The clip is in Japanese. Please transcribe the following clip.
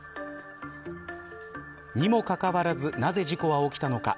にもかかわらずなぜ事故は起きたのか。